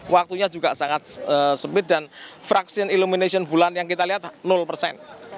waktunya juga sangat sempit dan fruction illumination bulan yang kita lihat persen